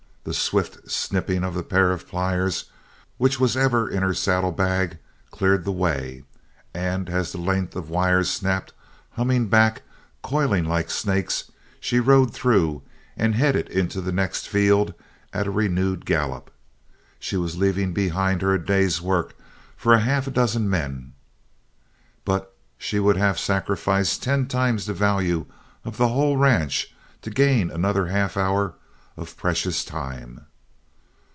The swift snipping of the pair of pliers which was ever in her saddle bag cleared the way, and as the lengths of wire snapped humming back, coiling like snakes, she rode through and headed into the next field at a renewed gallop. She was leaving behind her a day's work for half a dozen men, but she would have sacrificed ten times the value of the whole ranch to gain another half hour of precious time.